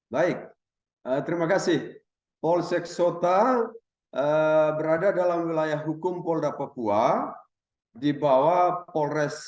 baik terima kasih polsek sota berada dalam wilayah hukum polda papua di bawah polres